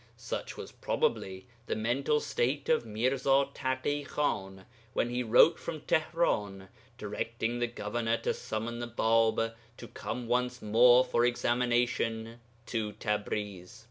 Such was probably the mental state of Mirza Taḳi Khan when he wrote from Tihran, directing the governor to summon the Bāb to come once more for examination to Tabriz.